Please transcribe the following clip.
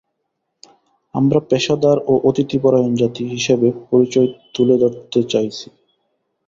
আমরা পেশাদার ও অতিথি পরায়ণ জাতি হিসেবে পরিচয় তুলে ধরতে চাইছি।